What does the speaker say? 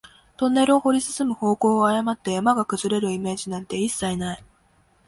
トンネルを掘り進む方向を誤って、山が崩れるイメージなんて一切ない